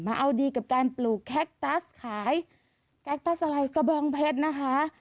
เอาดีกับการปลูกแคคตัสขายแคคตัสอะไรกระบองเพชรนะคะ